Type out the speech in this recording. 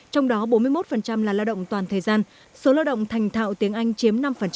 trong đó bốn mươi một là lao động toàn thời gian số lao động thành thạo tiếng anh chiếm năm